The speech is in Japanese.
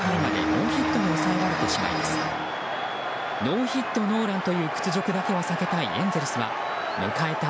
ノーヒットノーランという屈辱だけは避けたいエンゼルスは迎えた